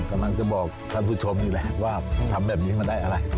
กำลังจะบอกท่านผู้ชมนี่แหละว่าทำแบบนี้มาได้อะไร